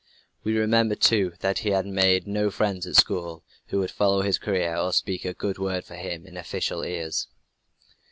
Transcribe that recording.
We remember, too, that he had made no friends at school, who would follow his career, or speak a good word for him in official ears.